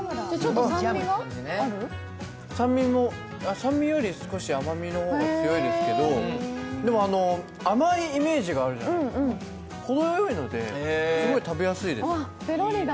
酸味より少し甘みの方が強いですけど、でも甘いイメージがあるじゃないですか、ほどよいので、すごい食べやすいです。